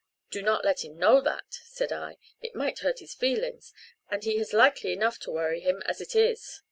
'Do not let him know that,' said I. 'It might hurt his feelings and he has likely enough to worry him as it is.